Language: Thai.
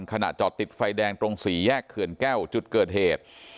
ขณะจอดติดไฟแดงตรงสี่แยกเขื่อนแก้วจุดเกิดเหตุ